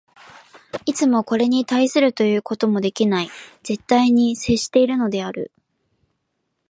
いつもこれに対するということもできない絶対に接しているのである。